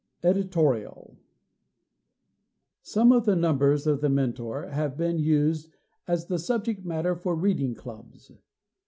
Editorial Some of the numbers of The Mentor have been used as the subject matter for reading clubs.